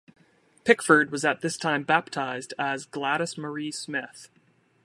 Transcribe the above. Pickford was at this time baptized as Gladys Marie Smith.